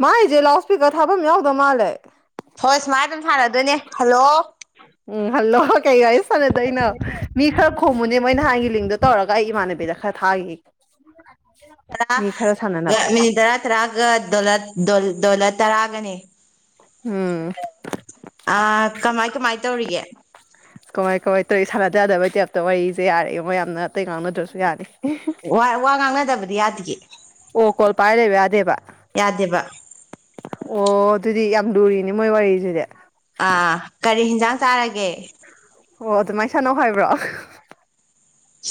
ꯃꯥꯒꯤꯁꯦ ꯂꯥꯎ ꯏꯁꯄꯤꯀꯔ ꯊꯥꯐꯝ ꯌꯥꯎꯗ ꯃꯥꯜꯂꯦ ꯍꯣꯏ ꯁꯨꯃꯥꯏꯅ ꯑꯗꯨꯝ ꯁꯥꯟꯅꯗꯣꯏꯅꯦ ꯍꯜꯂꯣ ꯎꯝ ꯍꯜꯂꯣ ꯀꯩ ꯋꯔꯤ ꯁꯥꯟꯅꯗꯣꯏꯅꯣ ꯃꯤ ꯈꯔ ꯈꫭꯝꯃꯨꯅꯦ ꯃꯣꯏ ꯅꯍꯥꯟꯒꯤ ꯂꯤꯡꯗꯣ ꯇꯧꯔꯒ ꯑꯩ ꯏꯃꯥꯟꯅꯕꯤꯗ ꯈꯔ ꯊꯥꯈꯤ ꯇꯔꯥ ꯃꯤ ꯈꯔ ꯁꯥꯟꯅꯅꯕ ꯂꯩꯔꯒ ꯃꯤꯅꯤꯠ ꯇꯔꯥ ꯇꯔꯥꯒ ꯗꫭꯂꯔ ꯗꯣꯂꯔ ꯇꯔꯥꯒꯅꯦ ꯎꯝ ꯑ ꯀꯃꯥꯏ ꯀꯃꯥꯏ ꯇꯧꯔꯤꯒꯦ ꯀꯃꯥꯏ ꯀꯃꯥꯏ ꯇꯧꯔꯤ ꯁꯥꯟꯅꯖ ꯌꯥꯗꯕꯩ ꯇꯦꯞꯇ ꯋꯥꯔꯤꯁꯦ ꯌꯥꯔꯦ ꯃꯣ ꯌꯥꯝꯅ ꯑꯇꯩ ꯉꯥꯡꯅꯗ꯭ꯔꯁꯨ ꯌꯥꯅꯤ ꯋꯥ ꯋꯥ ꯉꯥꯡꯅꯗꯕꯗꯤ ꯌꯥꯗꯤꯌꯦ ꯑꯣ ꯀꯣꯜ ꯄꯥꯏ ꯂꯩꯕ ꯌꯥꯗꯦꯕ ꯌꯥꯗꯦꯕ ꯑꯣ ꯑꯗꯨꯗꯤ ꯌꯥꯝ ꯂꯨꯔꯤꯅꯤ ꯃꯣꯏ ꯋꯥꯔꯤꯁꯤꯗꯤ ꯑꯥ ꯀꯔꯤ ꯍꯟꯖꯥꯡ ꯆꯥꯔꯒꯦ ꯑꯣ ꯑꯗꯨꯃꯥꯏꯅ ꯁꯥꯟꯅꯧ ꯍꯥꯏꯕ꯭ꯔꯣ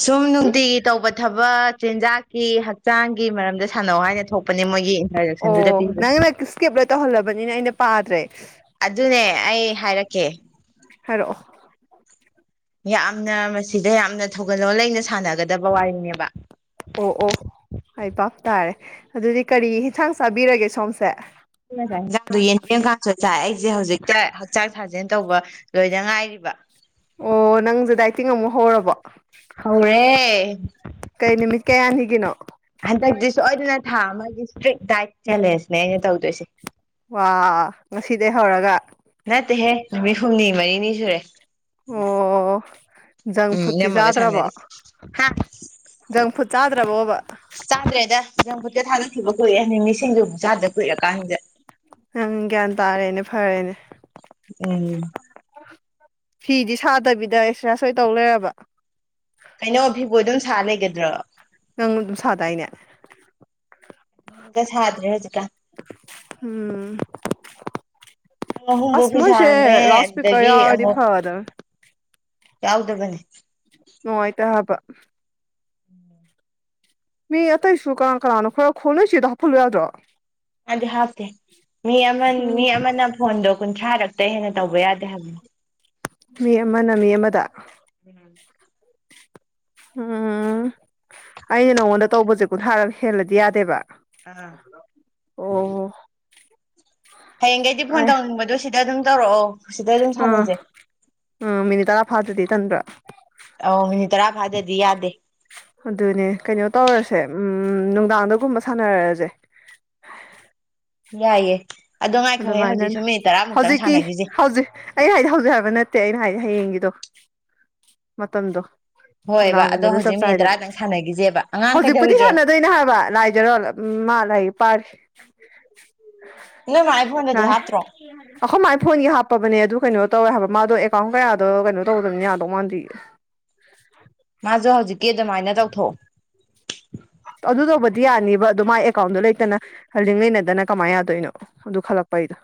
ꯁꯨꯝ ꯅꯨꯡꯇꯤꯒꯤ ꯇꯧꯕ ꯊꯕꯛ ꯆꯤꯟꯖꯥꯛꯀꯤ ꯍꯛꯆꯥꯡꯒꯤ ꯃꯔꯝꯗ ꯁꯥꯟꯅꯧ ꯍꯥꯏꯅ ꯊꯣꯛ ꯑꯣ ꯅꯪꯅ ꯏꯁꯀꯦꯞ ꯂꯣꯏ ꯇꯧꯍꯜꯂꯕꯅꯤꯅ ꯑꯩꯅ ꯄꯥꯗ꯭ꯔꯦ ꯑꯗꯨꯅꯦ ꯑꯩ ꯍꯥꯏꯔꯛꯀꯦ ꯍꯥꯏꯔꯛꯑꯣ ꯌꯥꯝꯅ ꯃꯁꯤꯗ ꯌꯥꯝꯅ ꯊꯧꯒꯜꯂꯣꯟ ꯂꯩꯅ ꯁꯥꯟꯅꯒꯗꯕ ꯋꯥꯔꯤꯅꯦꯕ ꯑꯣ ꯑꯣ ꯑꯩ ꯕꯥꯄ ꯇꯥꯔꯦ ꯑꯗꯨꯗꯤ ꯀꯔꯤ ꯌꯦꯟꯁꯥꯡ ꯆꯥꯕꯤꯔꯒꯦ ꯁꯣꯝꯁꯦ ꯑꯩ ꯉꯁꯥꯛ ꯌꯦꯟꯖꯥꯡꯗꯣ ꯌꯦꯟ ꯌꯦꯦꯝꯀꯥꯡꯁꯨ ꯆꯥꯏ ꯑꯩꯁꯦ ꯍꯧꯖꯤꯛꯇ ꯍꯛꯆꯥꯡ ꯁꯥꯖꯦꯜ ꯇꯧꯕ ꯂꯣꯏꯗ ꯉꯥꯏꯔꯤꯕ ꯑꯣ ꯅꯪꯁꯦ ꯗꯥꯏꯇꯤꯡ ꯑꯃꯨꯛ ꯍꯧꯔꯕꫭ ꯍꯧꯔꯦ ꯅꯨꯃꯤꯠ ꯀꯌꯥꯅꯤꯒꯤꯅꯣ ꯍꯟꯗꯛꯇꯤ ꯁꯣꯏꯗꯅ ꯊꯥ ꯑꯃꯒꯤ ꯏꯁꯇ꯭ꯔꯤꯛ ꯗꯥꯏꯠ ꯆꯦꯂꯦꯟꯁꯅꯦ ꯑꯩꯅ ꯇꯧꯗꯣꯏꯁꯦ ꯋꯥ ꯉꯁꯤꯗꯒꯤꯩ ꯍꯧꯔꯒ ꯅꯠꯇꯦꯍꯦ ꯅꯨꯃꯤꯠ ꯍꯨꯝꯅꯤ ꯃꯔꯤꯅꯤ ꯁꯨꯔꯦ ꯑꯣ ꯖꯪ ꯎꯝ ꯐꯨꯗꯇꯤ ꯅꯃꯒ ꯁꯅꯔꯤ ꯆꯥꯗ꯭ꯔꯕꯣ ꯍꯥ ꯖꯪ ꯐꯨꯗ ꯆꯥꯗ꯭ꯔꯕꯣꯕ ꯆꯥꯗ꯭ꯔꯦꯗ ꯍꯪ ꯈꯨꯨꯠꯇ ꯊꯥꯗꯣꯛꯈꯤꯕ ꯀꯨꯏꯑꯦ ꯅꯃꯤꯁꯤꯡꯗꯨ ꯆꯥꯗ ꯀꯨꯏꯔꯑꯀꯥꯟꯁꯤꯗ ꯅꯪ ꯒ꯭ꯌꯥꯟ ꯇꯥꯔꯦꯅꯦ ꯐꯔꯦꯅꯦ ꯎꯝ ꯐꯤꯗꯤ ꯁꯥꯗꯕꯤꯗ ꯑꯦꯛꯁꯁꯥꯏ ꯁꯣꯏ ꯇꯧ ꯂꯩꯔꯕ ꯀꯩꯅꯣ ꯐꯤꯕꯣ ꯑꯗꯨꯝ ꯁꯥ ꯂꯩꯒꯗ꯭ꯔꯣ ꯅꯪ ꯑꯗꯨꯝ ꯁꯥꯗꯥꯏꯅꯦ ꯒ ꯁꯥꯗ꯭ꯔꯦ ꯍꯧꯖꯤꯛꯀ ꯎꯝ ꯄꯨꯡ ꯑꯍꯨꯝꯐꯥꯎ ꯑꯁ ꯐꯤ ꯃꯣꯏꯁꯦ ꯁꯥꯔꯝꯃꯦ ꯂꯥꯎꯠ ꯏꯁꯄꯤꯀꯔ ꯑꯗꯨꯗꯒꯤ ꯌꯥꯎꯔꯗꯤ ꯑꯃꯨꯛ ꯐꯗꯕꯅꯦ ꯌꯥꯎꯗꯣꯕꯅꯤ ꯅꯨꯡꯉꯥꯏꯇꯕ ꯎꯝ ꯃꯤ ꯑꯇꯩꯁꯨ ꯀꯅꯥ ꯀꯅꯥꯅꯣ ꯈꯔ ꯈꯣꯡꯅꯁꯤꯗꯣ ꯍꯥꯞꯐꯜꯂꯨ ꯌꯥꯗ꯭ꯔꯣ ꯑꯗꯨꯗꯤ ꯍꯥꯞꯇꯦ ꯃꯤ ꯑꯃ ꯎꯝ ꯃꯤ ꯑꯃꯅ ꯐꯣꯟꯗꯣ ꯀꯨꯟꯊ꯭ꯔꯥꯔꯛꯇ ꯍꯦꯟꯅ ꯇꯧꯕ ꯌꯥꯗꯦ ꯍꯥꯏꯕꯅꯦ ꯃꯤ ꯑꯃꯅ ꯃꯤ ꯑꯃꯗ ꯎꯝ [unintelligible] ꯎꯝ ꯑꯩꯅ ꯅꯉꯣꯟꯗ ꯇꯧꯕꯁꯦ ꯀꯨꯟꯊꯥꯔꯒ ꯍꯦꯜꯂꯗꯤ ꯌꯥꯗꯦꯕ ꯑꯥ ꯑꯣ ꯍꯌꯦꯡꯒꯩꯗꯤ ꯑꯩ ꯐꯣꯟ ꯇꯧꯅꯤꯡꯕꯗꯣ ꯁꯤꯗ ꯑꯗꯨꯝ ꯇꯧꯔꯛꯑꯣ ꯁꯤꯗ ꯑꯗꯨꯝ ꯑꯥ ꯁꯥꯟꯅꯖꯩ ꯎꯝ ꯃꯤꯅꯤꯠ ꯇꯔꯥ ꯐꯥꯗꯗꯤ ꯇꯟꯕ꯭ꯔꯥ ꯑ ꯃꯤꯅꯤꯠ ꯇꯔꯥ ꯐꯥꯗꯗꯤ ꯌꯥꯗꯦ ꯑꯗꯨꯅꯦ ꯀꯩꯅꯣ ꯇꯧꯔꯁꯦ ꯎ ꯅꯨꯡꯗꯥꯡꯗꯒꯨꯝꯕ ꯁꯥꯟꯅꯔꯛꯁꯦ ꯌꯥꯏꯌꯦꯦ ꯑꯗꯨꯃꯥꯏꯅꯅ ꯍꯧꯖꯤꯛꯀꯤ ꯁꯥꯟꯅꯈꯤꯁꯦ ꯍꯧꯖꯤꯛ ꯑꯩ ꯍꯥꯏꯗꯤ ꯍꯧꯖ ꯍꯥꯏꯕ ꯅꯠꯇꯦ ꯑꯩꯅ ꯍꯥꯏꯗꯤ ꯍꯌꯦꯡꯒꯤꯗꯣ ꯃꯇꯝꯗꯣ ꯍꯣꯏꯕ ꯑꯗꯣ ꯅꯨꯡꯗꯥꯡꯒꯨꯝꯕꯗ ꯆꯞ ꯍꯧꯖꯤꯛ ꯃꯤꯅꯤꯠ ꯆꯥꯏꯗꯅ ꯇꯔꯥꯗꯪ ꯁꯥꯟꯅꯈꯤꯁꯦꯕ ꯑꯉꯥꯡ ꯍꯧꯖꯤꯛꯄꯨꯗꯤ ꯀꯩꯗꯧꯔꯤꯒꯦ ꯁꯥꯟꯅꯗꯣꯏꯅꯦ ꯍꯥꯏꯕ ꯂꯥꯏꯖꯔꯣ ꯎꯝ ꯃꯥꯂꯒꯤ ꯄꯥꯔ ꯅꯣꯏ ꯃꯥꯏ ꯐꯣꯟꯗꯗꯤ ꯑ ꯍꯥꯞꯇ꯭ꯔꯣ ꯑꯩꯈꯣꯏ ꯃꯥꯏ ꯐꯣꯟꯒꯤ ꯍꯥꯞꯄꯕꯅꯦ ꯑꯗꯨ ꯀꯩꯅꯣ ꯇꯧꯋꯦ ꯍꯥꯏꯕ ꯃꯥꯗꯣ ꯑꯦꯀꯥꯎꯟ ꯀꯌꯥꯗꯣ ꯀꯩꯅꯣ ꯇꯧꯗꯕꯅꯤ ꯌꯥꯗꯧ ꯃꯥꯟꯗ꯭ ꯃꯥꯁꯨ ꯍꯧꯖꯤꯛꯀꯤ ꯑꯗꯨꯃꯥꯏꯅ ꯇꯧꯊꯣꯛꯑꯣ ꯑꯗꯨ ꯇꯧꯕꯗꯤ ꯌꯥꯅꯤꯕ ꯑꯣ ꯃꯥꯏ ꯑꯦꯀꯥꯎꯟꯗꯣ ꯂꯩꯇꯅ ꯍꯜꯗꯤꯡ ꯂꯩꯅꯗꯅ ꯀꯃꯥꯏꯅ ꯌꯥꯗꯣꯏꯅꯣ ꯗꯨꯈ ꯂꯥꯛꯄ ꯏꯗ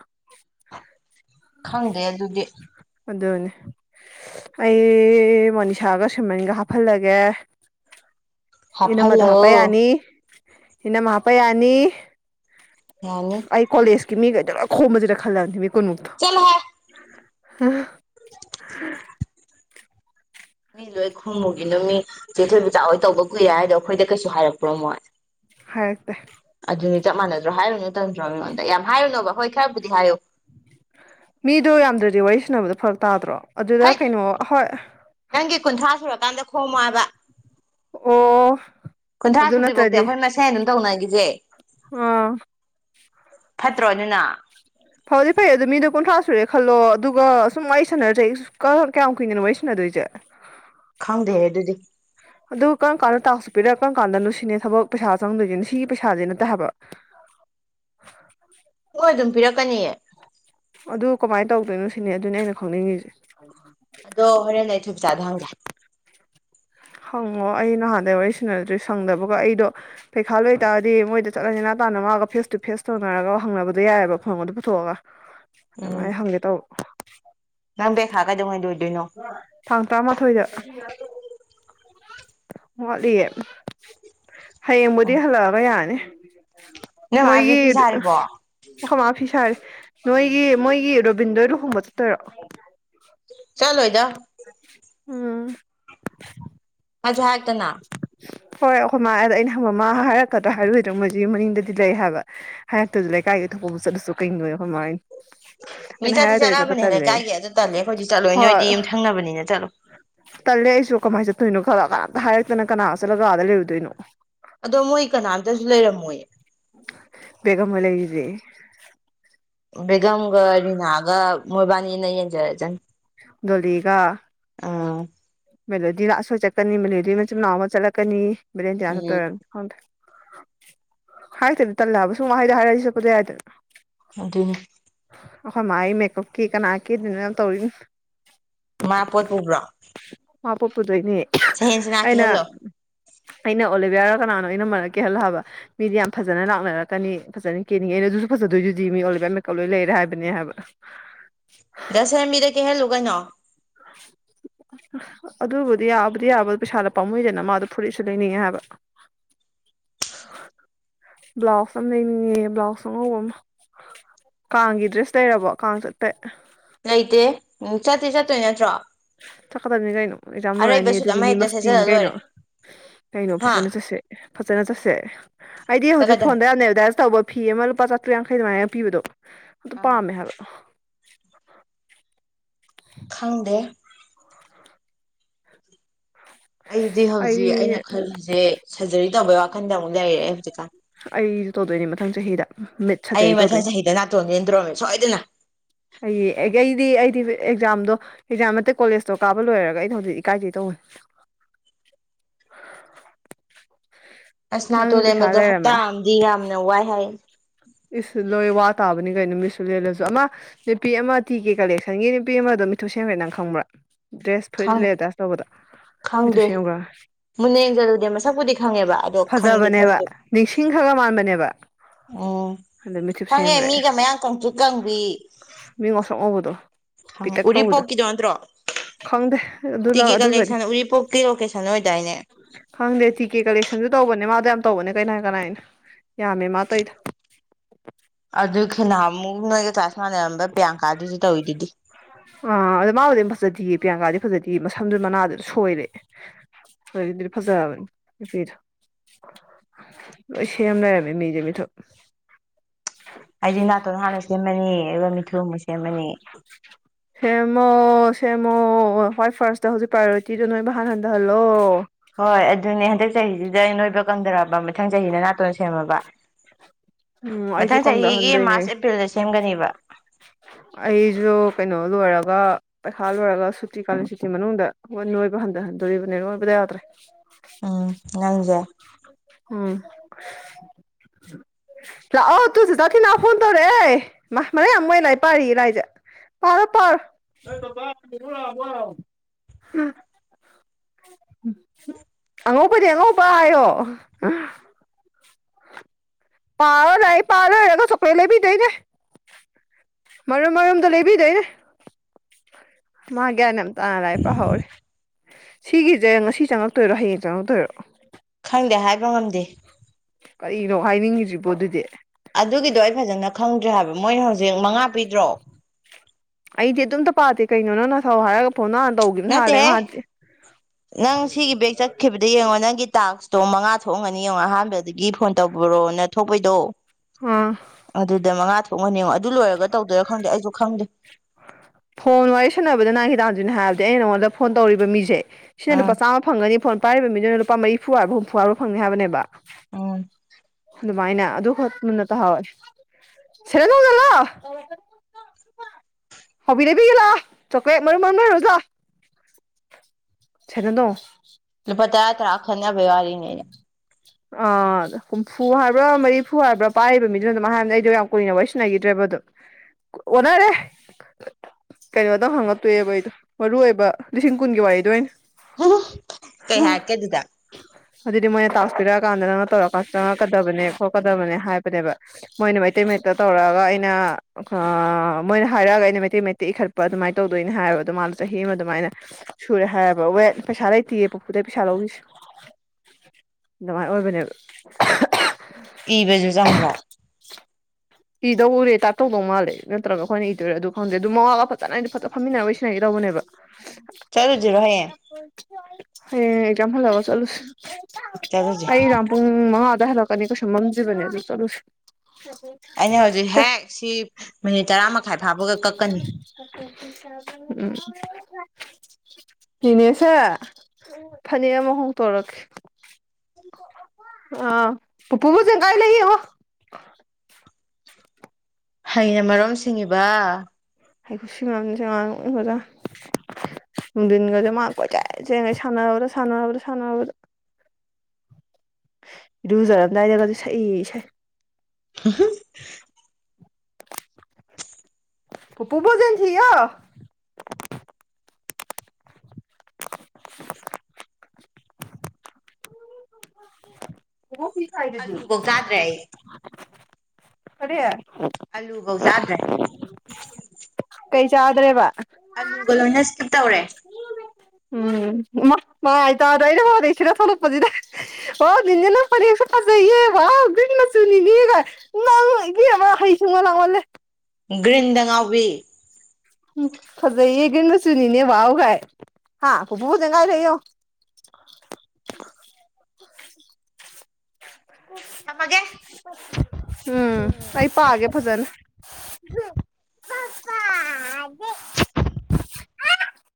ꯈꯪꯗꯦ ꯑꯗꯨꯗꯤ ꯑꯗꯅꯦ ꯑꯩ ꯃꯣꯅꯤꯁꯥꯒ ꯁꯨꯃꯟꯒ ꯍꯥꯞꯍꯜꯂꯒꯦ ꯏꯅꯃꯗ ꯍꯥꯞꯍꯜꯂꯣ ꯍꯥꯄꯌꯥꯅꯤ ꯏꯅꯝ ꯍꯥꯄꯌꯥꯅꯤ ꯌꯥꯅꯤ ꯑꯩ ꯀꯣꯂꯦꯖꯀꯤ ꯃꯤꯈꯩꯗ ꯂ ꯈꯣꯝꯕꯁꯤꯗ ꯈꯜꯂꯅꯤ ꯃꯤ ꯀꯨꯟꯃꯨꯛꯇ ꯆꯜ ꯍꯥꯏ ꯍꯝ [unintelligible] ꯃꯤꯗꯣ ꯑꯩ ꯈꯨꯝꯃꯨꯒꯤꯗ ꯃꯤ ꯆꯦꯊꯣꯏꯕ ꯆꯥꯑꯣꯣꯏ ꯇꯧꯕ ꯀꯨꯏ ꯌꯥ ꯍꯥꯏꯗꯣ ꯑꯩꯈꯣꯏꯗ ꯀꯩꯁꯨ ꯍꯥꯏꯔꯛꯄ꯭ꯔꯣꯃꯣ ꯍꯥꯏ ꯇ ꯑꯗꯨꯗꯤ ꯆꯞ ꯃꯥꯟꯅꯗ꯭ꯔꯣ ꯍꯥꯏꯔꯨꯅ ꯇꯝꯗ꯭ꯔꯣ ꯑꯩꯉꯣꯟꯗ ꯌꯥꯝ ꯍꯥꯏꯔꯨꯅꯣꯕ ꯍꯣꯏ ꯈꯔꯕꯨꯗꯤ ꯍꯥꯏꯌꯨ ꯃꯤꯗꯣ ꯌꯥꯝꯗ꯭ꯔꯗꯤ ꯋꯥꯔꯤ ꯁꯟꯅꯕꯗꯣ ꯐꯔꯛ ꯇꯥꯗ꯭ꯔꯣ ꯑꯗꯨꯗ ꯍꯩꯠ ꯀꯩꯅꯣ ꯑ ꯍꯣꯏ ꯅꯪꯒꯤ ꯀꯨꯟꯊ꯭ꯔꯥ ꯁꯨꯔꯀꯥꯟꯗ ꯈꯣꯝꯃꯣ ꯍꯥꯏꯕ ꯑꯣ ꯀꯨꯟꯊ꯭ꯔꯥ ꯑꯗꯨ ꯁꯨꯗ꯭ꯔꯤꯕꯧꯇꯤ ꯅꯠꯇ꯭ꯔꯗꯤ ꯑꯩꯈꯣꯏ ꯃꯁꯦꯟ ꯑꯗꯨꯝ ꯇꯧꯅꯈꯤꯁꯦ ꯑꯥ ꯐꯠꯇ꯭ꯔꯣ ꯑꯗꯨꯅ ꯐꯕꯨꯗꯤ ꯐꯩ ꯑꯗꯣ ꯃꯤꯗꯣ ꯀꯨꯟꯊ꯭ꯔꯥ ꯁꯨꯔꯦ ꯈꯜꯂꯣ ꯑꯗꯨꯒ ꯁꯨꯝ ꯋꯥꯔꯤ ꯁꯥꯟꯅꯔꯖꯩ ꯀꯥ ꯀꯌꯥꯝ ꯀꯨꯏꯅꯅꯣ ꯋꯥꯔꯤ ꯁꯥꯟꯅꯗꯣꯏꯁꯦ ꯈꯪꯗꯦꯍꯦ ꯑꯗꯨꯗꯤ ꯑꯗꯨ ꯀꯔꯝ ꯀꯥꯟꯗ ꯇꯥꯛꯁ ꯄꯤꯔꯥ ꯀꯔꯝ ꯀꯥꯟꯗꯅꯣ ꯁꯤꯅꯦ ꯊꯕꯛ ꯄꯩꯁꯥ ꯆꯪꯗꯣꯏꯁꯤꯅ ꯁꯤꯒꯤ ꯄꯩꯁꯥꯥꯁꯦ ꯅꯠꯇꯦ ꯍꯥꯏꯕ ꯃꯣꯏ ꯑꯗꯨꯝ ꯄꯤꯔꯛꯀꯅꯤꯌꯦ ꯑꯗꯨ ꯀꯃꯥꯏ ꯇꯧꯗꯣꯏꯅꯣ ꯁꯤꯅꯦ ꯑꯗꯨꯅꯦ ꯑꯩꯅ ꯈꯪꯅꯤꯡꯉꯤꯁꯦ [inaudible] ꯑꯗꯣ ꯍꯣꯔꯦꯟ ꯑꯩ ꯊꯣꯏꯕꯤꯆꯥꯗ ꯍꯪꯒꯦ ꯍꯪꯉꯣ ꯑꯩ ꯅꯍꯥꯟꯗꯩ ꯋꯥꯔꯤ ꯁꯥꯟꯅꯗ꯭ꯔꯤ ꯁꯪꯗꯕꯒ ꯑꯩꯗꯣ ꯄꯩꯈꯥ ꯂꯣꯏꯇꯥꯥꯔꯗꯤ ꯃꯣꯏꯗ ꯆꯠꯂ ꯅꯦꯅꯥ ꯇꯥꯅ ꯃꯥꯒ ꯐꯦꯁ ꯇꯨ ꯐꯦꯁ ꯇꯧꯅꯔꯒ ꯍꯪꯅꯕꯗꯣ ꯌꯥꯏꯕ ꯐꯣꯟꯒꯗꯣ ꯄꯨꯊꯣꯛꯑꯒ ꯎꯝ ꯑꯗꯨꯃꯥꯏ ꯍꯪꯒꯦ ꯇꯧ ꯅꯪ ꯄꯩꯈꯥ ꯀꯩꯗꯧꯉꯩ ꯂꯣꯏꯗꯣꯏꯅꯣ ꯇꯥꯡ ꯇꯔꯥꯃꯥꯊꯣꯏꯗ ꯋꯥꯠꯂꯤꯌꯦ ꯍꯌꯦꯡꯕꯨꯗꯤ ꯍꯜꯂꯛꯑꯒ ꯌꯥꯅꯤ ꯅꯣꯏ ꯃꯥꯒꯤ ꯃꯣꯏꯒꯤ ꯐꯤ ꯑꯁ ꯁꯥꯔꯤꯕꯣ ꯑꯈꯣꯏꯃꯥ ꯐꯤ ꯁꯥꯔꯤ ꯅꯣꯏꯒꯤ ꯃꯣꯏꯒꯤ ꯔꯣꯕꯤꯟꯗꯣꯏ ꯂꯨꯍꯣꯡꯕ ꯆꯠꯇꯣꯏꯔꯣ ꯆꯠꯂꯣꯏꯗ ꯎꯝ ꯍꯥꯏꯁꯨ ꯍꯥꯏꯔꯛꯇꯅ ꯍꯣꯏ ꯑꯩꯈꯣꯏꯃꯥ ꯑꯗꯣ ꯑꯩꯅ ꯍꯪꯕ ꯃꯥ ꯍꯥꯏꯔꯛꯀꯗ꯭ꯔ ꯍꯥꯏꯔꯛꯑꯣꯏꯗ꯭ꯔ ꯃꯣꯏꯁꯤ ꯃꯅꯤꯡꯗꯗꯤ ꯂꯩ ꯍꯥꯏꯕ ꯍꯥꯏꯔꯛꯇꯁꯨ ꯂꯩꯀꯥꯏꯒꯤ ꯊꯣꯛꯄꯕꯨ ꯆꯠꯂꯨꯆꯣ ꯈꯣꯏꯃꯥꯍꯣꯏꯅ ꯃꯤꯆꯠꯇꯤ ꯆꯠꯅꯕꯅꯦ ꯂꯩꯀꯥꯏꯒꯤ ꯑꯗꯨ ꯇꯜꯂꯦ ꯑꯩꯈꯣꯏꯗꯤ ꯆꯠꯂꯣꯏ ꯍꯣꯏ ꯅꯣꯏꯗꯤ ꯌꯨꯝ ꯊꯪꯅꯕꯅꯤꯅ ꯆꯠꯂꯣ ꯇꯜꯂꯦ ꯑꯩꯁꯨ ꯀꯃꯥꯏꯅ ꯆꯠꯇꯣꯏꯅꯣ ꯈꯔ ꯀꯅꯥ ꯀꯅꯥꯝꯇ ꯍꯥꯏꯔꯛꯇꯅ ꯀꯅꯥꯒ ꯆꯠꯂꯒꯗ ꯑꯥꯗ ꯂꯩꯔꯨꯗꯣꯏꯅꯣ ꯑꯗꯣ ꯃꯣꯏ ꯀꯅꯥꯝꯇꯁꯨ ꯂꯩꯔꯝꯃꯣꯏꯌꯦ ꯕꯦꯒꯝꯍꯣꯏ ꯂꯩꯔꯤꯗꯨꯗꯤ ꯕꯦꯒꯝꯒ ꯔꯤꯅꯥꯒ ꯃꯣꯏꯕꯥꯅꯤꯅ ꯌꯦꯡꯖꯔꯖꯅꯤ ꯗꯣꯜꯂꯤꯒ ꯑꯥ ꯃꯦꯂꯣꯗꯤ ꯂꯥꯛꯑꯁꯣꯏ ꯆꯠꯀꯅꯤ ꯃꯦꯂꯣꯗꯤ ꯃꯆꯤꯟ ꯃꯅꯥꯎ ꯑꯃ ꯆꯠꯂꯛꯀꯅꯤ ꯚꯦꯂꯦꯟꯇꯤꯅꯥ ꯆꯠꯇꯣꯏ ꯎꯝ ꯑꯣꯏꯔꯝꯅꯤ ꯈꯪꯗꯦ ꯍꯥꯏꯔꯛꯇꯗꯤ ꯇꯜꯂꯦꯕ ꯁꯨꯝ ꯋꯥꯍꯩꯗꯣ ꯍꯥꯏꯔꯗꯤ ꯆꯠꯄꯗꯣ ꯌꯥꯏꯗꯅ ꯑꯗꯨꯅꯤ ꯑꯈꯣꯏ ꯃꯥꯥꯏ ꯃꯦꯀꯞꯀꯤ ꯀꯅꯥ ꯀꯦꯗꯣꯏꯅꯣ ꯌꯥꯝ ꯇꯧꯔꯤꯅꯤ ꯃꯥ ꯄꯣꯠ ꯄꯨꯕ꯭ꯔꯣ ꯃꯥ ꯄꯣꯠ ꯄꯨꯗꯣꯏꯅꯦ ꯁꯍꯦꯟꯁꯤꯅꯥ ꯑꯩꯅ ꯀꯦꯍꯜꯂꯣ ꯑꯩꯅ ꯑꯣꯂꯤꯕꯤꯌꯥꯔꯥ ꯀꯅꯥꯅꯣ ꯏꯅꯝꯃꯔꯥ ꯀꯦꯍꯜꯂꯣ ꯍꯥꯏꯕ ꯃꯤꯗꯤ ꯌꯥꯝ ꯐꯖꯅ ꯂꯥꯛꯅꯔꯛꯀꯅꯤ ꯐꯖꯅ ꯀꯦꯅꯤꯡꯉꯦ ꯑꯩꯅ ꯑꯗꯨꯁꯨ ꯐꯖꯗꯣꯏꯗꯨꯗꯤ ꯃꯤ ꯑꯣꯂꯤꯕꯌꯥ ꯃꯦꯀꯞ ꯂꯣꯏ ꯂꯩꯔꯦ ꯍꯥꯏꯕꯅꯦ ꯍꯥꯏꯕ [unintelligible] ꯁꯍꯦꯟꯕꯤꯗ ꯀꯦꯍꯜꯂꯨ ꯀꯩꯅꯣ [inaudible] ꯑꯗꯨꯕꯨꯗꯤ ꯌꯥꯕꯨꯗꯤ ꯌꯥꯕ ꯄꯩꯁꯥꯗꯣ ꯄꯥꯝꯃꯨꯏꯗꯅ ꯃꯥꯗꯣ ꯐꯨꯔꯤꯠꯁꯨ ꯂꯩꯅꯤꯡꯉꯦ ꯍꯥꯏꯕ ꯕ꯭ꯂꯥꯎꯁ ꯑꯃ ꯂꯩꯅꯤꯡꯉꯦꯌꯦ ꯕ꯭ꯂꯥꯎꯁ ꯑꯉꯧꯕ ꯑꯃꯥ ꯀꯥꯡꯒꯤ ꯗ꯭ꯔꯦꯁ ꯂꯩꯔꯕꯣ ꯀꯥꯡ ꯆꯠꯄꯩ ꯂꯩꯇꯦ ꯎꯝ ꯆꯠꯇꯤ ꯆꯠꯇꯣꯏ ꯅꯠꯇ꯭ꯔꯣ ꯆꯠꯀꯥꯗꯝꯅꯤ ꯀꯩꯅꯣ ꯑꯦꯛꯖꯥꯝ ꯑꯔꯩꯕ ꯂꯣꯏꯔꯅꯤ ꯁꯨꯠ ꯑꯗꯨꯗꯤ ꯑꯃ ꯃꯤ ꯍꯦꯛꯇ ꯁꯦꯠꯆꯜꯂ ꯃꯁꯇꯤꯅꯤ ꯀꯩꯅꯣ ꯂꯣꯏꯔꯦ ꯀꯩꯅꯣ ꯍꯥ ꯐꯖꯅ ꯆꯠꯁꯦ ꯐꯖꯅ ꯆꯠꯁꯦ ꯑꯩꯗꯤ ꯍꯧꯖꯤꯛ ꯆꯠꯀꯗꯝꯅꯤ ꯐꯣꯟꯗ ꯌꯥꯝꯅ ꯑꯦꯕꯔꯗꯥꯏꯁ ꯇꯧꯕ ꯐꯤ ꯑꯃ ꯂꯨꯄꯥ ꯆꯥꯇ꯭ꯔꯨꯛꯌꯥꯡꯈꯩ ꯑꯗꯨꯃꯥꯏꯅ ꯄꯤꯕꯗꯣ ꯑꯗꯨ ꯑꯥ ꯄꯥꯝꯃꯦ ꯍꯥꯏꯕ ꯈꯪꯗꯦ ꯑꯩꯗꯤ ꯍꯧꯖꯤꯛ ꯑꯩꯅ ꯑꯩ ꯈꯜꯂꯤꯖꯦ ꯁꯔꯖꯔꯤ ꯇꯧꯕꯩ ꯋꯥꯈꯟꯗ ꯑꯃꯨꯛ ꯂꯩꯔꯦ ꯑꯩ ꯍꯧꯖꯤꯛꯀꯥꯟ ꯑꯩꯖꯨ ꯇꯧꯗꯣꯏꯅꯦ ꯃꯊꯪ ꯆꯍꯤꯗ ꯃꯤꯠ ꯑꯩ ꯁꯥꯖꯔꯤ ꯃꯊꯪ ꯆꯍꯤꯗ ꯅꯥꯇꯣꯟ ꯇꯧꯗꯣꯏꯅꯦ ꯂꯦꯟꯗꯣꯔꯝꯃꯦ ꯁꯣꯏꯗꯅ ꯑꯩ ꯑꯩ ꯑꯩꯗꯤ ꯑꯩꯗꯤ ꯑꯦꯛꯖꯥꯝꯗꯣ ꯑꯦꯛꯖꯝ ꯅꯠꯇꯦ ꯀꯣꯂꯦꯖꯇꯣ ꯀꯥꯕ ꯂꯣꯏꯔꯒ ꯑꯩꯩꯅ ꯍꯧꯖꯤꯛ ꯏꯀꯥꯏꯖꯩ ꯇꯧꯅꯤ ꯑꯁ ꯅꯥꯇꯣꯟ ꯅꯪꯗꯤ ꯄꯩꯁꯥ ꯂꯦꯟꯕꯗꯣ ꯍꯞꯇꯥ ꯂꯩꯔꯝꯃꯅꯤ ꯑꯝꯗꯤ ꯌꯥꯝꯅ ꯋꯥꯏ ꯍꯥꯏ ꯏꯁ ꯂꯣꯏ ꯋꯥ ꯇꯥꯕꯅꯤ ꯀꯩꯅ ꯃꯤꯁꯁꯨ ꯂꯦꯜꯂꯖꯨ ꯑꯃ ꯅꯨꯄꯤ ꯑꯃ ꯇꯤ ꯀꯦ ꯀꯂꯦꯛꯁꯟꯒꯤ ꯅꯨꯄꯤ ꯑꯃꯗꯣ ꯃꯤꯠꯊꯨ ꯁꯦꯝꯈ꯭ꯔꯦ ꯅꯪ ꯈꯪꯕ꯭ꯔꯥ ꯗ꯭ꯔꯦꯁ ꯐꯨꯔꯤꯗꯤ ꯈꯪ ꯂꯩ ꯑꯦꯗꯥꯁ ꯇꯧꯕꯗꯣ ꯃꯤꯠꯇꯨꯞ ꯈꯪꯗꯦ ꯁꯦꯝꯈ꯭ꯔ ꯃꯨꯟꯅ ꯌꯦꯖꯔꯨꯗꯦ ꯃꯁꯛꯄꯨꯗꯤ ꯈꯪꯉꯦꯕ ꯑꯗꯣ ꯈꯪꯗꯤ ꯈꯪꯗꯦ ꯅꯤꯡꯁꯤꯡ ꯈꯥꯒꯥ ꯃꯥꯟꯕꯅꯦꯕ ꯑꯣ ꯑꯗ ꯃꯤꯠꯊꯨꯞ ꯈꯪꯉꯦ ꯁꯦꯝꯈ꯭ꯔꯦ ꯃꯤꯒ ꯃꯌꯥꯡ ꯀꯪꯊ꯭ꯔꯤꯛ ꯀꯪꯕꯤ ꯃꯤ ꯉꯧꯁꫭꯛ ꯉꯧꯕꯗꯣ ꯈꯪꯉꯦ ꯄꯤꯛꯇꯛ ꯇꯧꯕꯗꯣ ꯎꯔꯤꯄꯣꯛꯀꯤꯗꯣ ꯅꯠꯇ꯭ꯔꯣ ꯈꯪꯗꯦ ꯑꯗꯨ ꯇꯤꯀꯦ ꯑꯗꯨꯒꯗꯤ ꯀꯂꯦꯛꯁꯟ ꯎꯔꯤꯄꯣꯛꯀꯤ ꯂꯣꯀꯦꯁꯟ ꯑꯣꯏꯗꯥꯏꯅꯦ ꯈꯪꯗꯦ ꯇꯤꯀꯦ ꯀꯂꯦꯛꯁꯟꯁꯨ ꯇꯧꯕꯅꯦ ꯃꯥꯗꯣ ꯌꯥꯝ ꯇꯧꯕꯅꯦ ꯀꯅꯥ ꯀꯅꯥꯥꯏꯅꯣ ꯌꯥꯝꯃꯦ ꯃꯥ ꯇꯩꯗꯣ ꯑꯗꯨ ꯈꯦꯅꯥꯃꯨꯛ ꯅꯣꯏꯒ ꯀ꯭ꯂꯥꯁ ꯃꯥꯟꯅꯔꯝꯕ ꯄ꯭ꯔꯤꯌꯥꯡꯀꯥꯗꯨꯁꯨ ꯇꯧꯋꯤꯗꯨꯗꯤ ꯑꯥ ꯑꯗꯣ ꯃꯥꯕꯨꯗꯤ ꯑꯝ ꯐꯖꯗꯤꯌꯦ ꯄ꯭ꯔꯤꯌꯥꯡꯀꯥꯗꯤ ꯐꯖꯗꯦ ꯃꯁꯝꯗꯨ ꯃꯅꯥꯗꯨ ꯁꯣꯏꯔꯦ ꯍꯧꯖꯤꯛꯀꯤꯗꯨꯗꯤ ꯐꯖꯥꯕꯅꯤ ꯅꯨꯄꯤꯗꯣ ꯂꯣꯏ ꯁꯦꯝ ꯂꯩꯔꯝꯃꯤ ꯃꯤꯗꯤ ꯃꯤꯊꯨꯞ ꯑꯩꯗꯤ ꯅꯥꯇꯣꯟ ꯍꯥꯟꯅ ꯁꯦꯝꯃꯅꯤ ꯑꯗꯨꯒ ꯃꯤꯊꯨꯞ ꯑꯃꯨꯛ ꯁꯦꯝꯃꯅꯤ [inaudible] ꯁꯦꯝꯃꯣ ꯁꯦꯝꯦꯃꯣ ꯈꯋꯥꯏ ꯐꯥꯔꯁꯇ ꯍꯧꯖꯤꯛ ꯄ꯭ꯔꯥꯏꯌꯣꯔꯤꯇꯤꯗꯣ ꯅꯣꯏꯕ ꯍꯥꯟ ꯍꯟꯊꯍꯜꯂꯣ ꯍꯣꯏ ꯑꯗꯨꯅꯦ ꯍꯟꯗꯛ ꯆꯍꯤꯁꯤꯗ ꯅꯣꯏꯕ ꯀꯪꯗꯔꯕ ꯃꯊꯪ ꯆꯍꯤꯅ ꯅꯥꯇꯣꯟ ꯁꯦꯝꯃꯕ ꯎꯝ ꯑꯩꯁꯨ ꯃꯊꯪ ꯆꯍꯤꯒꯤ ꯃꯥꯔꯁ ꯑꯦꯄ꯭ꯔꯤꯜꯗ ꯁꯦꯝꯒꯅꯦꯕ ꯑꯩꯖꯨ ꯀꯩꯅꯣ ꯂꯣꯏꯔꯒ ꯄꯩꯈꯥ ꯂꯣꯏꯔꯒ ꯁꯨꯇꯤ ꯀꯥꯂꯦꯟ ꯁꯨꯇꯤ ꯃꯅꯨꯡꯗ ꯍꯣꯏ ꯅꯣꯏꯕ ꯍꯟꯗꯍꯟꯗꯣꯔꯤꯕꯅꯦ ꯅꯣꯏꯕꯗ ꯌꯥꯗ꯭ꯔꯦ ꯎꯝ ꯅꯪꯖꯦ ꯎꯝ ꯂꯥꯛꯑꯣ ꯇꯨ ꯆꯥꯆꯥ ꯊꯤꯅ ꯐꯣꯟ ꯇꯧꯔꯦ ꯃꯥ ꯃꯔꯝ ꯌꯥꯝ ꯃꯣꯑꯦ ꯂꯥꯏꯔꯤꯛ ꯄꯥꯔꯤ ꯂꯥꯏꯖꯥ ꯄꯔꯣ ꯄꯔꯣ [unintelligible] ꯑꯉꯧꯕꯗꯤ ꯑꯉꯧꯕ ꯍꯥꯏꯌꯣ ꯄꯥꯔꯣ ꯂꯥꯔꯤꯛꯏ ꯄꯥ ꯂꯣꯏꯔꯒ ꯆꯣꯀꯦꯂꯦꯠ ꯂꯩꯕꯤꯗꯣꯏꯅꯤ ꯃꯔꯨꯝ ꯃꯔꯨꯝꯝꯗꯣ ꯂꯩꯕꯤꯗꯣꯏꯅꯦ ꯃꯥ ꯒ꯭ꯌꯥꯟ ꯌꯝ ꯇꯥꯅ ꯂꯥꯏꯔꯤꯛ ꯄꯥꯍꯧꯔꯤ ꯁꯤꯒꯤꯖꯦ ꯉꯁꯤ ꯆꯪꯉꯛꯇꯣꯏꯔꯣ ꯍꯌꯦꯡ ꯆꯪꯉꯛꯇꯣꯏꯔꯣ ꯈꯪꯗꯦ ꯍꯥꯏꯕ ꯉꯝꯗꯦ ꯀꯔꯤꯅꯣ ꯍꯥꯏꯅꯤꯡꯉꯤꯖꯤꯕꯣ ꯑꯗꯨꯗꯤ ꯑꯗꯨꯒꯤꯗꯣ ꯑꯩ ꯐꯖꯅ ꯈꯪꯗ꯭ꯔꯦ ꯍꯥꯏꯕ ꯃꯣꯏ ꯍꯧꯖꯤꯛ ꯃꯉꯥ ꯄꯤꯗ꯭ꯔꯣ ꯑꯩꯗꯤ ꯑꯗꯨꯝꯇ ꯄꯥꯗꯦ ꯀꯩꯅꯣ ꯅꯪ ꯅ ꯊꯥꯎ ꯍꯥꯏꯔꯒ ꯐꯣꯅꯗꯧ ꯅꯠꯇꯦꯍꯦ ꯅꯪ ꯁꯤꯒꯤ ꯕꯦꯒ ꯆꯠꯈꯤꯕꯗ ꯌꯦꯡꯉꯣ ꯅꯪꯒꯤ ꯇꯥꯛꯁ ꯇꯣ ꯃꯉꯥ ꯊꯣꯛꯑꯝꯒꯅꯤ ꯌꯦꯡꯉꯣ ꯑꯍꯥꯟꯕꯗꯒꯤ ꯐꯣꯟ ꯇꯧꯕ꯭ꯔꯣꯅ ꯊꯣꯛꯄꯩꯗꯣ ꯍꯥꯥ ꯑꯗꯨꯗ ꯃꯉꯥ ꯊꯣꯛꯑꯝꯒꯅꯤ ꯌꯦꯡꯉꯣ ꯑꯗꯨ ꯂꯣꯏꯔꯒ ꯇꯧꯗꯣꯏꯔꯥ ꯈꯪꯗꯦ ꯑꯩꯖꯨ ꯈꯪꯗꯦ ꯐꯣꯟ ꯋꯥꯔꯤ ꯁꯥꯟꯅꯕꯗ ꯅꯪ ꯍꯤꯗꯥꯥꯟꯗꯨꯅꯦ ꯍꯥꯏꯔꯕꯗꯤ ꯑꯩꯅ ꯅꯉꯣꯟꯗ ꯐꯣꯟ ꯇꯧꯔꯤꯕ ꯃꯤꯁꯦ ꯁꯤꯅ ꯂꯨꯄꯥ ꯎꯝ ꯆꯥꯝꯃ ꯐꯪꯒꯅꯤ ꯐꯣꯟ ꯄꯥꯏꯔꯤꯕ ꯃꯤꯗꯨꯅ ꯂꯨꯄꯥ ꯃꯔꯤꯐꯨ ꯍꯥꯏꯕ ꯍꯨꯝꯐꯨ ꯍꯥꯏꯔ ꯐꯪꯅꯤ ꯍꯥꯏꯕꯅꯦꯕ ꯑꯣ ꯑꯗꯨꯃꯥꯏꯅ ꯑꯗꯨ ꯈꯛ ꯊꯨꯅ ꯇꯥꯍꯧꯁꯤ ꯁꯦꯟꯗꯜ ꯇꯣꯡꯖꯤꯜꯂꯣ ꯍꯥꯎꯕꯤ ꯂꯩꯕꯤꯒꯦ ꯂꯥꯛꯑꯣ ꯆꯣꯀꯦꯂꯦꯠ ꯃꯥꯔꯨꯝ ꯃꯥꯔꯨꯝ ꯂꯩꯔꯣꯖꯤ ꯂꯥꯛꯑꯣ ꯁꯅꯗꯣ ꯂꯨꯄꯥ ꯇꯔꯥ ꯇꯔꯥ ꯈꫭꯝꯅꯕꯩ ꯋꯥꯔꯤꯅꯤ ꯑꯥ ꯍꯨꯝꯐꯨ ꯍꯥꯏꯕ꯭ꯔꯥ ꯃꯔꯤꯐꯨ ꯍꯥꯏꯕ꯭ꯔꯥ ꯄꯥꯏꯔꯤꯕ ꯃꯤꯗꯨꯅ ꯑꯗꯨꯝ ꯍꯥꯏꯅ ꯑꯩꯗꯣ ꯌꯥꯝ ꯀꯨꯏꯅ ꯋꯥꯔꯤꯏ ꯁꯤꯟꯅꯈꯤꯗ꯭ꯔꯦꯕ ꯑꯗꯨꯣ ꯑꯣꯟꯅꯔꯦ ꯀꯩꯅꯣꯗꯧ ꯍꯪꯉꯛꯇꯣꯏꯑꯕ ꯑꯩꯗꯣ ꯃꯔꯨ ꯑꯣꯏꯕ ꯂꯤꯁꯤꯡ ꯀꯨꯟꯒꯤ ꯋꯥꯔꯤꯗ ꯑꯣꯏꯅ ꯎ ꯀꯩ ꯍꯥꯏꯀꯦ ꯑꯗꯨꯗ ꯑꯗꯨꯗꯤ ꯃꯣꯏꯅ ꯇꯥꯛꯁ ꯄꯤꯔꯛꯑꯀꯥꯟꯗ ꯅꯪꯅ ꯇꯧꯔꯀꯥꯟꯗ ꯆꯪꯉꯛꯀꯗꯕꯅꯦ ꯈꯣꯠꯀꯗꯕꯅꯦ ꯍꯥꯏꯕꯅꯦꯕ ꯃꯣꯏꯅ ꯃꯩꯇꯩ ꯃꯛꯇ ꯇꯧꯔꯛꯑꯒ ꯑꯩꯅ ꯃꯣꯏꯅ ꯍꯥꯏꯔꯛꯑꯒ ꯑꯩꯅ ꯃꯩꯇꯩ ꯃꯩꯇꯩ ꯏꯈꯠꯄ ꯑꯗꯨꯃꯥꯏꯅ ꯇꯧꯗꯣꯏꯅꯦ ꯍꯥꯏꯕ ꯑꯗꯣ ꯃꯥꯗꯣ ꯆꯍꯤ ꯑꯃ ꯑꯗꯨꯃꯥꯏꯅ ꯁꯨꯔꯦ ꯍꯥꯏꯕ ꯋꯦ ꯄꯩꯁꯥ ꯂꯩꯇꯦꯌꯦ ꯄꯨꯄꯨꯗꯩ ꯄꯩꯁꯥ ꯂꯧꯅꯤꯁ ꯑꯗꯨꯃꯥꯏꯅ ꯑꯣꯏꯕꯅꯦꯕ [inaudible] ꯏꯕꯁꯨ ꯆꯪꯕ꯭ꯔꯣ ꯏꯗꯧ ꯎꯔꯦ ꯇꯥꯛꯇꯧꯗꯧ ꯃꯥꯜꯂꯦ ꯅꯠꯇ꯭ꯔꯒ ꯑꯩꯈꯣꯏꯅ ꯏꯗꯣꯏꯦ ꯑꯗꯨ ꯈꯪꯗꯦꯝ ꯃꯉꯥꯜꯒ ꯐꯖꯅꯗꯤ ꯐꯖ ꯐꯝꯃꯤꯟꯅꯔꯣꯏ ꯁꯤꯖꯤꯟꯅꯩ ꯇꯗꯧꯕꯅꯦꯕ [inaudible] ꯆꯠꯂꯨꯁꯤꯔꯣ ꯍꯌꯦꯡ ꯍ ꯏ ꯀꯝ ꯐꯜꯕ ꯆꯂꯨ ꯆꯠꯂꯨꯁꯦ ꯑꯩꯔꯝ ꯄꯨꯡ ꯃꯉ ꯑꯗꯍ ꯂꯀꯅꯤ ꯀꯁ ꯃꯝꯖꯕꯅꯦ ꯑꯗꯨ ꯆꯂꯁꯨ ꯑꯩꯅ ꯍꯧꯖꯤꯛ ꯍꯦꯛ ꯁꯤ ꯃꯤꯅꯤꯠ ꯇꯔꯥ ꯃꯈꯥꯏ ꯐꯥꯕꯒ ꯀꯛꯀꯅꯤ ꯁ ꯏꯅꯦꯁꯦ ꯐꯅꯦꯛ ꯑꯃ ꯍꯣꯡ ꯇꯣꯔꯛꯀꯦ ꯑ ꯄꯄꯨꯕꯨꯨꯁꯦ ꯀꯥꯏ ꯂꯩ ꯍ ꯍꯩꯅ ꯃꯔꯨꯝ ꯁꯤꯡꯉꯤꯕ ꯍꯥꯏꯩꯈ ꯁꯤꯅ ꯆ ꯃꯖꯥ ꯒꯔꯁꯦ ꯃꯥ ꯀꯣꯏ ꯆ ꯆꯦꯉꯩ ꯁꯥꯟꯅꯕ꯭ꯔꯥ ꯁꯥꯟꯅꯕꯕ꯭ꯔ ꯁꯥꯟꯅꯕꯕ꯭ꯔ ꯔꯨꯖꯔꯝꯗꯥꯏꯗꯒꯁꯨ ꯁꯛꯏ ꯏꯁꯩꯛ ꯍ ꯍꯥ ꯄꯄꯨ ꯣꯖꯟꯁꯤꯣ [inaudible] ꯑꯣ ꯄ ꯐꯥꯏ ꯑꯂꯨꯕꯧ ꯆꯥꯗ꯭ꯔꯦ ꯑꯩ ꯀꯔꯤꯌꯥ ꯑꯜꯨꯕꯧꯁꯥꯗ꯭ꯔꯦ ꯀꯩ ꯆꯗ꯭ꯔꯦꯕ ꯑꯂꯨꯒ ꯂꯣꯏꯅ ꯏꯁꯀꯤꯞ ꯇꯧꯔꯦ ꯎꯝ ꯃꯥꯏ ꯇꯥꯗ ꯑꯩꯅ ꯃꯥꯗꯩ ꯁꯤꯔ ꯊꯣꯛꯂꯛꯄꯁꯤꯗ ꯑꯣꯅ ꯐꯖꯌꯦ ꯋꯥꯆꯅꯤꯒ ꯃꯥꯉ ꯏꯕ ꯍꯩꯁꯨꯨꯡꯉ ꯂꯥꯡꯑꯣꯂꯦ ꯒ꯭ꯔꯤꯟꯗ ꯉꯥꯎꯋ ꯎꯝ ꯐꯖꯩꯌꯦꯒꯕꯁꯨꯨꯅꯤꯅꯦꯕꯕꯒꯥꯏ ꯍꯥꯥ ꯀꯣꯄꯨ ꯐꯖꯅ ꯀꯥꯏ ꯂꯩꯌꯣ ꯊꯝꯃꯒꯦ ꯎꯝ ꯑꯩ ꯄꯥꯒꯦ ꯐꯖꯅ